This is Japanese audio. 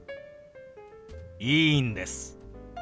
いいんです。